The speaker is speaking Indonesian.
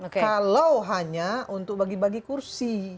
kalau hanya untuk bagi bagi kursi